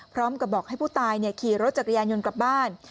พร้อมกับบอกให้ผู้ตายขี่รถจักรยานยนต์กลับบ้าน